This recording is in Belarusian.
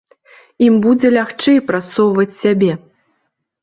Ім будзе лягчэй прасоўваць сябе.